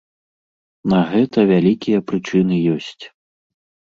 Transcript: На гэта вялікія прычыны ёсць!